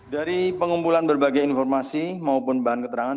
dari pengumpulan berbagai informasi maupun bahan keterangan